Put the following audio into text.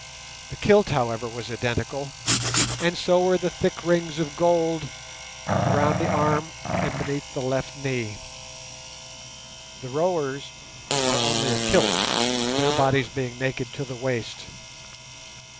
The kilt, however, was identical, and so were the thick rings of gold around the arm and beneath the left knee. The rowers wore only a kilt, their bodies being naked to the waist.